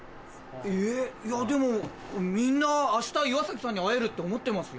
えぇいやでもみんな明日岩崎さんに会えるって思ってますよ。